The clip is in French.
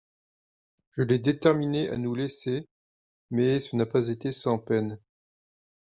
Je l'ai déterminé à nous laisser ; mais ce n'a pas été sans peine.